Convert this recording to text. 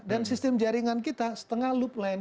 dan sistem jaringan kita setengah loop line